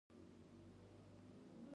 ټول افغانان یو